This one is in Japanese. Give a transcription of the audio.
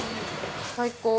最高。